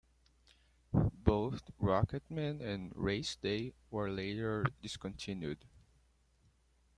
Both "Rocketmen" and "Race Day" were later discontinued.